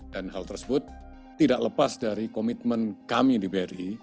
dan hal tersebut tidak lepas dari komitmen kami di bri